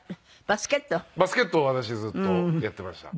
バスケットを私ずっとやってました。